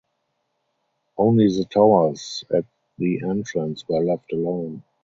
Only the towers at the entrance were left alone.